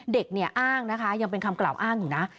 เด็กเนี่ยอ้างนะคะยังเป็นคำกล่าวอ้างอยู่นะ